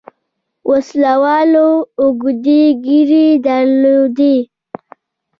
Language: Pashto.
وسله والو اوږدې ږيرې درلودې.